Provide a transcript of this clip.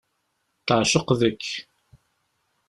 Teεceq deg-k.